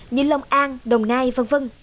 như lòng an đồng nai v v